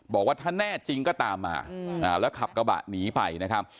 บอกว่าถ้าแน่จริงก็ตามมาแล้วขับกระบะหนีไปนะครับ